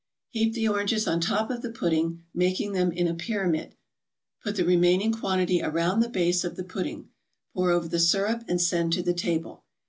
Heap the oranges on top of the pudding, making them in a pyramid, put the remaining quantity around the base of the pudding, pour over the syrup and send to the table.